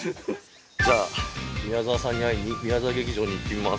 じゃあ宮沢さんに会いにみやざわ劇場に行ってみます。